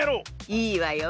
いいわよ。